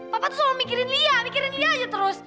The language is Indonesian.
papa tuh selalu mikirin lia mikirin dia aja terus